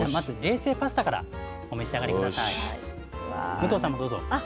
武藤さんもどうぞ。